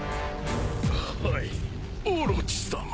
はいオロチさま。